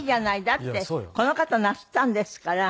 だってこの方なすったんですから。